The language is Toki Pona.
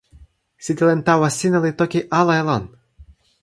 sitelen tawa sina li toki ala e lon.